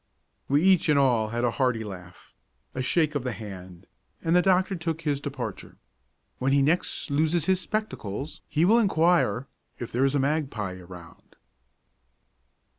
We each and all had a hearty laugh, a shake of the hand, and the doctor took his departure. When he next loses his spectacles he will inquire if there is a magpie around.